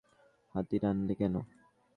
হাতির আনলে কেন?